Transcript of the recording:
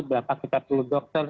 berapa kita perlu dokter